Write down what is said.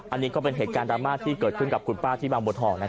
อันนี้ก็เป็นเหตุการณ์ดราม่าที่เกิดขึ้นกับคุณป้าที่บางบัวทอง